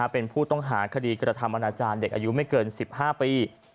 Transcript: เป็นผู้ต้องหาคดีกระทำอนาจารย์เด็กอายุไม่เกิน๑๕ปี